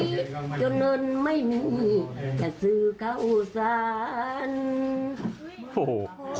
จนเอิญไม่มีแค่สื่อเข้าสรรค์